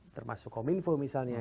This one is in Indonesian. termasuk kominfo misalnya